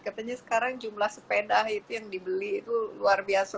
katanya sekarang jumlah sepeda itu yang dibeli itu luar biasa